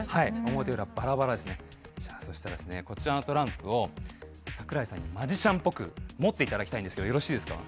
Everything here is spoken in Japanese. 表裏バラバラですねそしたらこちらのトランプを桜井さんにマジシャンっぽく持っていただきたいんですけどよろしいですか？